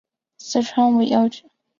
四川尾药菊